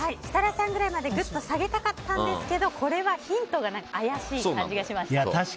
設楽さんぐらいまでぐっと下げたかったんですけどこれはヒントが怪しい感じがしました。